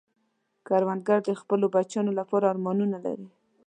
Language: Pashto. کروندګر د خپلو بچیانو لپاره ارمانونه لري